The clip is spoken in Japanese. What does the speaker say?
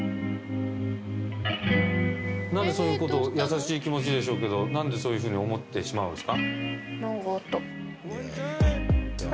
何でそういうことを優しい気持ちでしょうけど何でそういうふうに思ってしまうんですか？